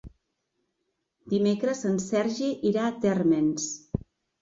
Dimecres en Sergi irà a Térmens.